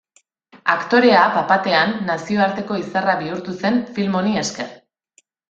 Aktorea bat-batean nazioarteko izarra bihurtu zen film honi esker.